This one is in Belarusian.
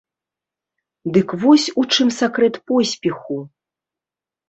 Дык вось у чым сакрэт поспеху!